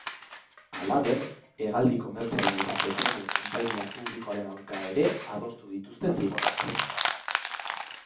Halaber, hegaldi komertzialen eta petrolio konpainia publikoaren aurka ere adostuko dituzte zigorrak.